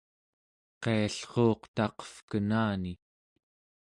qiallruuq taqevkenani